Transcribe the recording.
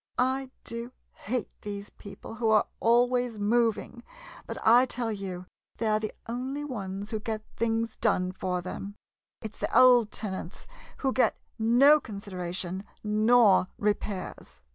I do hate these people w r ho are always moving, but I tell you they 're the only ones who get things done for them — it 's the old tenants who get no 4* MODERN MONOLOGUES consideration— nor repairs!